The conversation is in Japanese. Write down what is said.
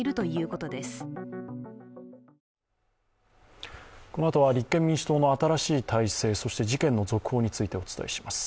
このあとは立憲民主党の新しい体制、そして事件の続報についてお伝えします。